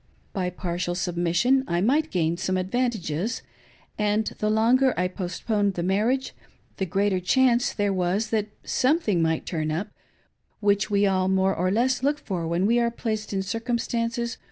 By partial submission I might gain some advantages ; and the longer I postponed the marriage, the greater chance there was that "something" might turn up, which we all 513 BRIGHAM SETTLES THE MATTER. more or less look for when we are placed in circumstancep